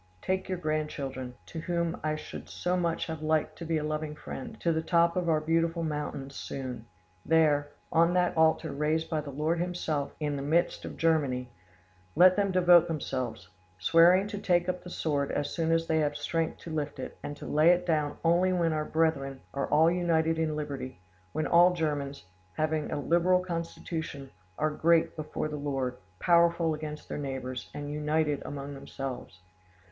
Take your grandchildren, to whom I should so much have liked to be a loving friend, to the top of our beautiful mountains soon. There, on that altar raised by the Lord Himself in the midst of Germany, let them devote themselves, swearing to take up the sword as soon as they have strength to lift it, and to lay it down only when our brethren are all united in liberty, when all Germans, having a liberal constitution; are great before the Lord, powerful against their neighbours, and united among themselves.